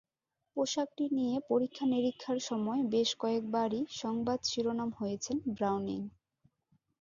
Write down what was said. পোশাকটি নিয়ে পরীক্ষা নিরীক্ষার সময় বেশ কয়েকবারই সংবাদ শিরোনাম হয়েছেন ব্রাউনিং।